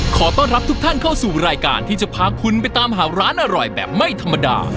ขอต้อนรับทุกท่านเข้าสู่รายการที่จะพาคุณไปตามหาร้านอร่อยแบบไม่ธรรมดา